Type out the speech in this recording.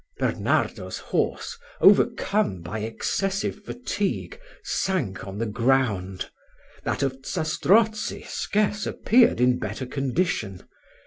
Bernardo's horse, overcome by excessive fatigue, sank on the ground; that of Zastrozzi scarce appeared in better condition.